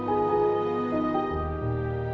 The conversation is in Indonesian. oh siapa ini